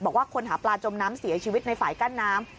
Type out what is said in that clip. บอกว่าคนหาปลาจมน้ำเสียชีวิตในฝ่ายกั้นน้ำ